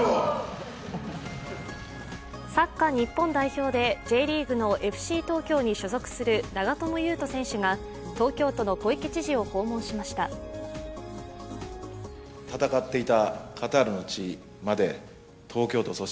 サッカー日本代表でＪリーグのＦＣ東京に所属する長友佑都選手が、東京都の小池知事を訪問しました。